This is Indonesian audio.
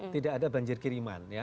tidak ada banjir kiriman ya